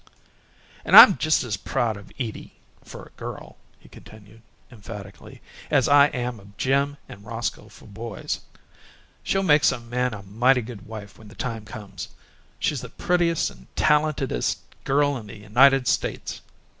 "And I'm just as proud of Edie, for a girl," he continued, emphatically, "as I am of Jim and Roscoe for boys. She'll make some man a mighty good wife when the time comes. She's the prettiest and talentedest girl in the United States!